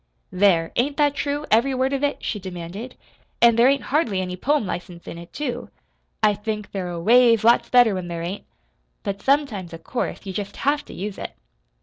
"There, ain't that true every word of it?" she demanded. "An' there ain't hardly any poem license in it, too. I think they're a ways lots better when there ain't; but sometimes, of course, you jest have to use it.